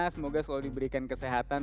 semoga selalu diberikan kesehatan